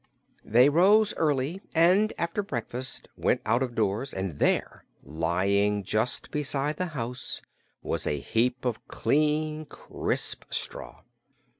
They rose early and after breakfast went out of doors, and there, lying just beside the house, was a heap of clean, crisp straw.